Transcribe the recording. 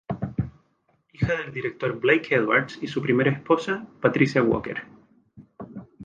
Hija del director Blake Edwards y su primera esposa, Patricia Walker.